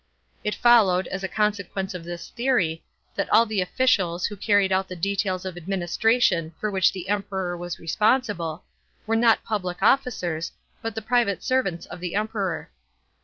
It followed, as a consequence of this theory, that all the officials, who carried out the details of administration for which the Emperor was responsible, were not public officers, but the private servants of the Emperor.